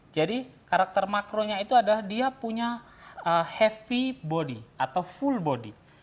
jadi karakter makronya itu adalah dia punya heavy body atau full body